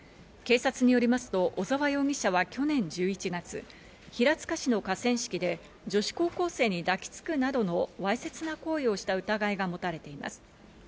警察によりますと小沢容疑者は去年１１月、平塚市の河川敷で女子高校生に抱きつくなどのわいせつな行為をした疑いが持たれています。